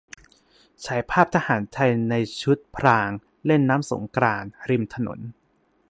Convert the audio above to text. ฉายภาพทหารไทยในชุดพรางเล่นน้ำสงกรานต์ริมถนน